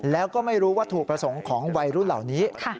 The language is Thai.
แล้วก็ไม่รู้วัตถุประสงค์ของวัยรุ่นเหล่านี้